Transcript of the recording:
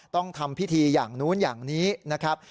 ต้องทำพิธีอย่างนู้นอย่างนี้นะครับ